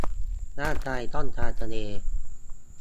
ร่างกายต้องการทะเล